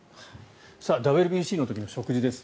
ＷＢＣの時の食事です。